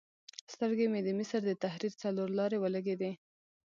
سترګې مې د مصر د تحریر څلور لارې ولګېدې.